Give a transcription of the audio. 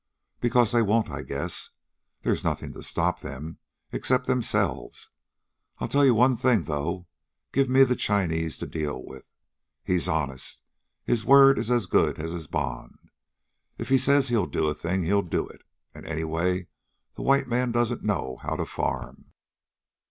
"Because they won't, I guess. There's nothing to stop them except themselves. I'll tell you one thing, though give me the Chinese to deal with. He's honest. His word is as good as his bond. If he says he'll do a thing, he'll do it. And, anyway, the white man doesn't know how to farm.